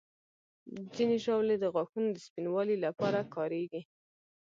ځینې ژاولې د غاښونو د سپینوالي لپاره کارېږي.